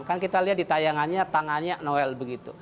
kan kita lihat di tayangannya tangannya noel begitu